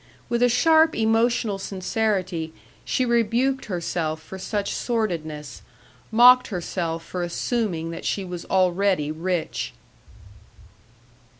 With a sharp emotional sincerity, she rebuked herself for such sordidness, mocked herself for assuming that she was already rich.